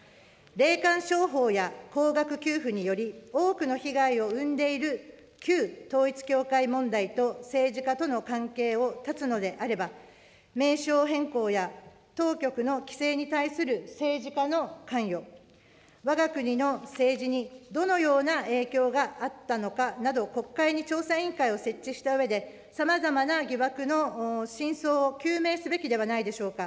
霊感商法や高額給付により、多くの被害を生んでいる旧統一教会問題と政治家との関係を断つのであれば、名称変更や、当局の規制に対する政治家の関与、わが国の政治にどのような影響があったのかなど、国会に調査委員会を設置したうえで、さまざまな疑惑の真相を究明すべきではないでしょうか。